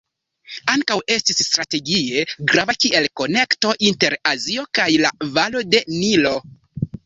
Ankaŭ estis strategie grava kiel konekto inter Azio kaj la valo de Nilo.